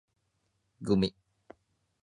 gumi